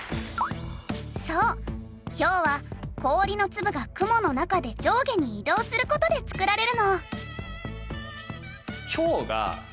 そうひょうは氷の粒が雲の中で上下に移動する事で作られるの。